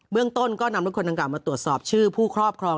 เรื่องต้นก็นำรถคนดังกล่ามาตรวจสอบชื่อผู้ครอบครอง